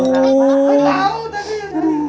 apa tau tadi